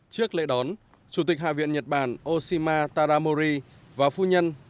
trước lễ đón chủ tịch hạ viện nhật bản oshima taramori và phu nhân